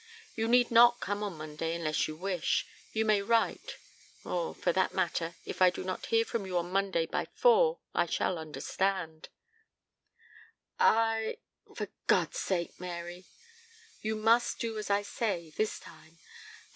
You need not come on Monday unless you wish. You may write or, for that matter, if I do not hear from you on Monday by four I shall understand " "I for God's sake, Mary " "You must do as I say this time.